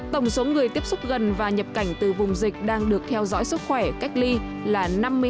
tổng số người tiếp xúc gần và nhập cảnh từ vùng dịch đang được theo dõi sức khỏe cách ly là năm mươi hai một trăm chín mươi sáu